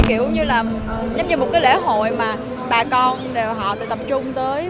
kiểu như là giống như một cái lễ hội mà bà con họ tập trung tới